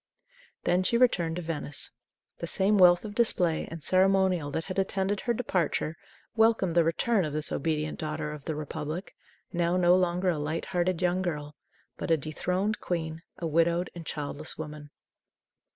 Then she returned to Venice. The same wealth of display and ceremonial that had attended her departure welcomed the return of this obedient daughter of the Republic, now no longer a light hearted young girl, but a dethroned queen, a widowed and childless woman.